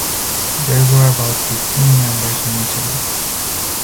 There were about fifteen members initially.